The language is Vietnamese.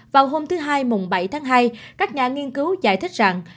vào hôm thứ hai mùng bảy tháng hai các nhà nghiên cứu giải thích rằng